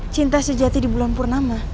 cinta sejati di bulan purnama